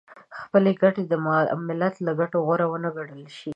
خپلې ګټې د ملت له ګټو غوره ونه ګڼل شي .